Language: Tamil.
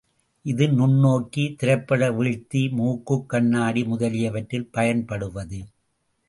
இது நுண்ணோக்கி, திரைப்பட வீழ்த்தி முக்குக் கண்ணாடி முதலியவற்றில் பயன்படுவது.